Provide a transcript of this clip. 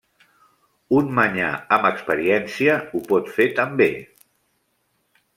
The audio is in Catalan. Un manyà amb experiència ho pot fer també.